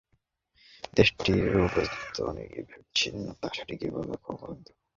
দেশটির রুশপন্থী বিচ্ছিন্নতাবাদীরা সেটিকে ক্ষেপণাস্ত্র দিয়ে ভূপাতিত করে বলে ধারণা করা হয়।